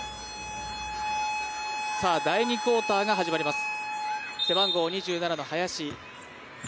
第２クオーターが始まります。